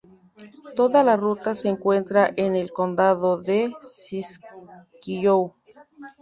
Toda la ruta se encuentra en el condado de Siskiyou.